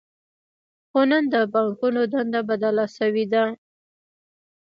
خو نن د بانکونو دنده بدله شوې ده